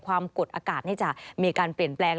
ความกดอากาศนี่จะมีการเปลี่ยนแปลง